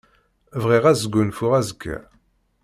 Bɣiɣ ad sgunfuɣ azekka.